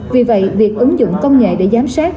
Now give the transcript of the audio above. vì vậy việc ứng dụng công nghệ để giám sát